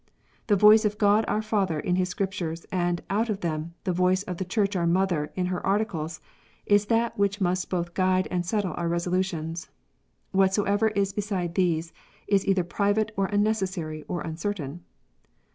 The voice of God our Father, in His Scriptures, and, out of them, the voice of the Church our mother, in her Articles, is that which must both guide and settle our resolutions. Whatsoever is beside these, is either private, or unnecessary, or uncertain."